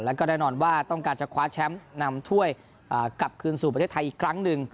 แล้วก็แน่นอนว่าต้องการจะคว้าแชมป์นำถ้วยกลับคืนสู่ประเทศไทยอีกครั้งหนึ่ง